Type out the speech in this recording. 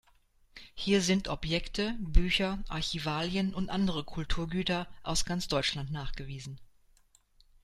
Hier sind Objekte, Bücher, Archivalien und andere Kulturgüter aus ganz Deutschland nachgewiesen.